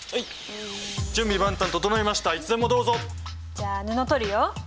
じゃあ布取るよ。